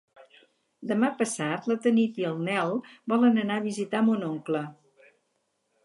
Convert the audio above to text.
Demà passat na Tanit i en Nel volen anar a visitar mon oncle.